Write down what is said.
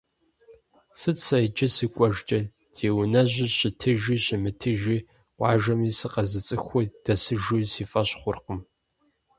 Сыт сэ иджы сыкӏуэжкӏэ, ди унэжьыр щытыжи щымытыжи, къуажэми сыкъэзыцӏыху дэсыжууи сифӏэщ хъуркъым.